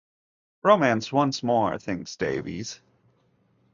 Romance once more, thinks Davies.